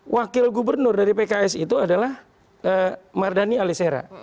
wakil gubernur dari pks itu adalah mardani alisera